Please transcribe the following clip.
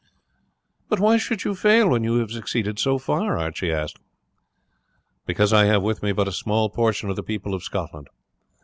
"But why should you fail when you have succeeded so far?" Archie asked. "Because I have with me but a small portion of the people of Scotland.